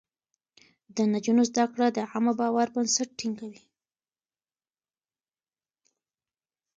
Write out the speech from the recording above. د نجونو زده کړه د عامه باور بنسټ ټينګوي.